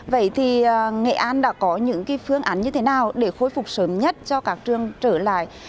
vậy thì nghệ an đã có những phương án như thế nào để khôi phục sớm nhất cho các trường trở lại